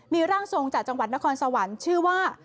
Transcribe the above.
มีร่างทรงจากจังหวัดนครสวรรค์ชื่อว่า